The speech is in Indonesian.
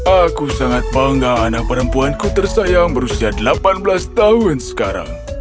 aku sangat bangga anak perempuanku tersayang berusia delapan belas tahun sekarang